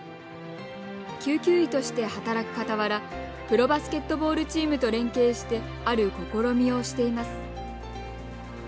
救急医として働くかたわらプロバスケットボールチームと連携して、ある試みをしています。